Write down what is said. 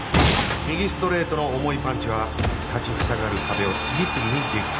右ストレートの重いパンチは立ちふさがる壁を次々に撃破。